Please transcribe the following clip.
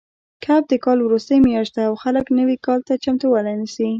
کب د کال وروستۍ میاشت ده او خلک نوي کال ته چمتووالی نیسي.